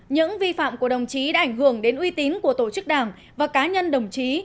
những vi phạm của đồng chí đã ảnh hưởng đến uy tín của tổ chức đảng và cá nhân đồng chí